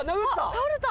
倒れた！